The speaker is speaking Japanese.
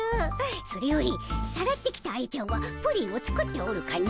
それよりさらってきた愛ちゃんはプリンを作っておるかの？